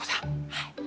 はい。